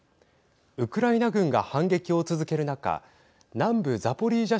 ウクライナ軍が反撃を続ける中南部ザポリージャ